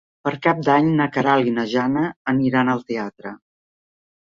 Per Cap d'Any na Queralt i na Jana aniran al teatre.